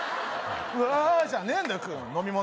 「わー」じゃねえんだよ飲み物